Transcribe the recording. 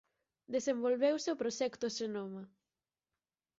Desenvolveuse o Proxecto Xenoma.